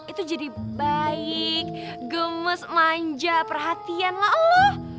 itu jadi baik gemes manja perhatian lah allah